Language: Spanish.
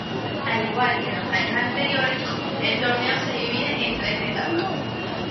Al igual que en los años anteriores, el torneo se divide en tres etapas.